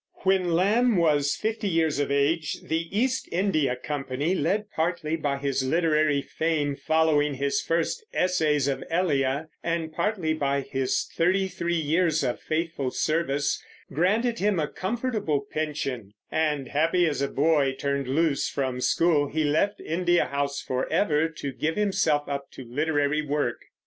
When Lamb was fifty years of age the East India Company, led partly by his literary fame following his first Essays of Elia, and partly by his thirty three years of faithful service, granted him a comfortable pension; and happy as a boy turned loose from school he left India House forever to give himself up to literary work.